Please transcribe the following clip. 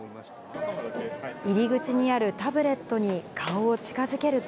入り口にあるタブレットに顔を近づけると。